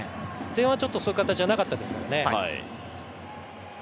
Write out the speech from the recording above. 前半、ちょっとそういう形じゃなかったですからね。